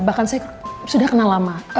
bahkan saya sudah kenal lama